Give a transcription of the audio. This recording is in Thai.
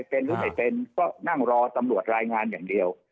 เป็นหรือไม่เป็นก็นั่งรอตำรวจรายงานอย่างเดียว